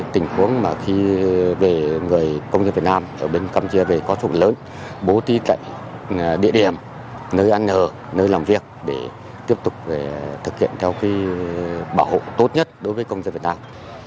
tình huống mà khi về người công dân việt nam ở bên campuchia về có sự lớn bố tí tại địa điểm nơi ăn hờ nơi làm việc để tiếp tục thực hiện theo cái bảo hộ tốt nhất đối với công dân việt nam